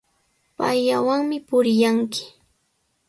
Payllawanmi purillanki.